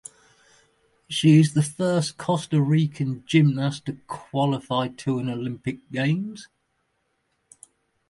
She is the first Costa Rican gymnast to qualify to an Olympic Games.